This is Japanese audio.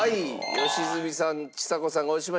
良純さんちさ子さんが押しました。